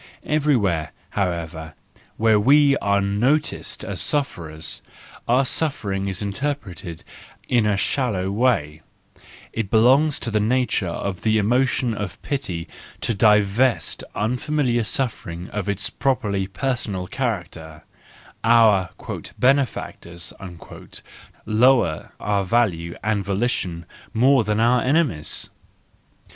Everywhere, however, where we are noticed as sufferers, our suffering is interpreted in a shallow way; it belongs to the nature of the emotion of pity to divest unfamiliar suffering of its properly personal character :—our " benefactors " lower our value and volition more than our enemies.